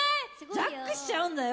ジャックしちゃうんだよ。